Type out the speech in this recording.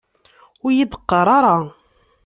Ur iyi-d qqar ara!